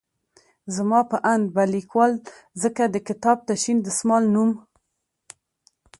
زما په اند به ليکوال ځکه د کتاب ته شين دسمال نوم